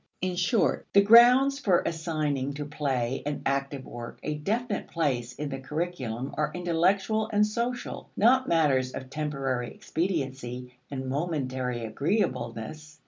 In short, the grounds for assigning to play and active work a definite place in the curriculum are intellectual and social, not matters of temporary expediency and momentary agreeableness.